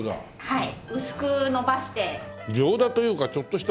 はい。